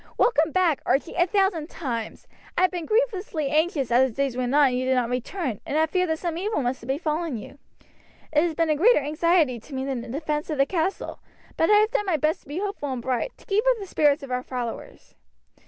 "Welcome back, Archie, a thousand times! I have been grievously anxious as the days went on and you did not return, and had feared that some evil must have befallen you. It has been a greater anxiety to me than the defence of the castle; but I have done my best to be hopeful and bright, to keep up the spirits of our followers."